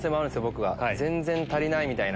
僕は全然足りないみたいな。